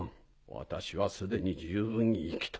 私はすでに十分に生きた。